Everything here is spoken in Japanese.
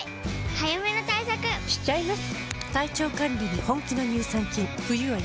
早めの対策しちゃいます。